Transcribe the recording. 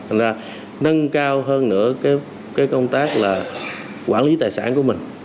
thành là nâng cao hơn nữa cái công tác là quản lý tài sản của mình